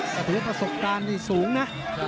ก็ถือว่าประสบคันสูงนะ